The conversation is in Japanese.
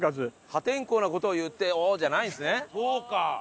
破天荒な事を言って「おおー！」じゃないんですね。